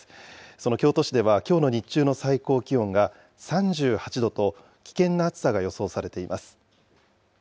その京都市では、きょうの日中の最高気温が３８度と、危険な暑さが予想されています。